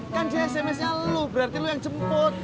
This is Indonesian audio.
kan di sms nya lo berarti lu yang jemput